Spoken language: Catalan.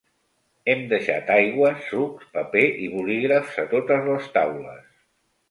Hem deixat aigües, sucs, paper i bolígrafs a totes les taules.